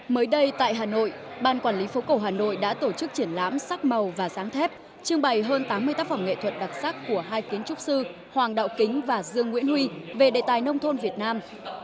mới đây tại hà nội ban quản lý phố cổ hà nội đã tổ chức triển lãm sắc màu và sáng thép trưng bày hơn tám mươi tác phẩm nghệ thuật đặc sắc của hai kiến trúc sư hoàng đạo kính và dương nguyễn huy về đề tài nông thôn việt nam